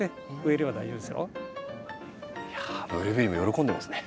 いやあブルーベリーも喜んでますね。